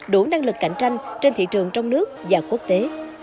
đủ năng lực cạnh tranh trên thị trường trong nước và quốc tế